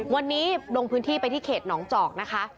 วันนี้ลงพื้นที่ไปที่เขตหนองจอกนะคะ